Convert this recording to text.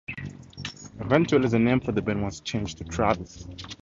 Eventually, the name for the band was changed to Travis.